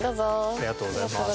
ありがとうございます。